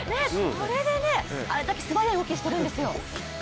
これであれだけ素早い動きしてるんですよ。